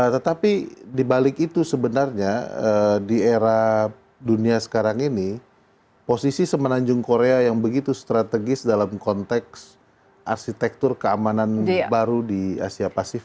tetapi dibalik itu sebenarnya di era dunia sekarang ini posisi semenanjung korea yang begitu strategis dalam konteks arsitektur keamanan baru di asia pasifik